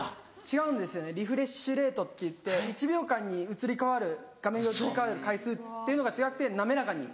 違うんですよねリフレッシュレートっていって１秒間に画面が移り変わる回数っていうのが違って滑らかに。